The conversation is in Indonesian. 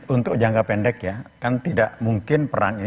untuk jangka pendek ya kan tidak mungkin perang ini